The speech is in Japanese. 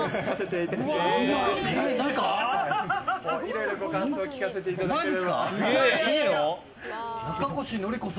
いろいろご感想を聞かせていただければ。